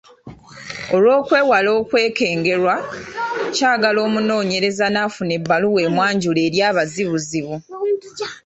Olw’okwewala okwekengerwa, kyagala omunoonyereza n’afuna ebbaluwa emwanjula eri abazibuzi.